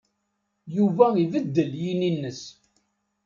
Yuba ibeddel yini-nnes.